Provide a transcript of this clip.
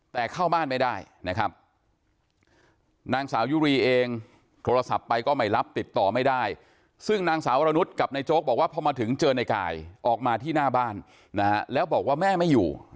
แต่เข้าบ้านไม่ได้นะครับนางสาวยุรีเองโทรศัพท์ไปก็ไม่รับติดต่อไม่ได้ซึ่งนางสาววรนุษย์กับนายโจ๊กบอกว่าพอมาถึงเจอในกายออกมาที่หน้าบ้านนะฮะแล้วบอกว่าแม่ไม่อยู่